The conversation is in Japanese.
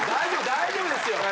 大丈夫ですよ！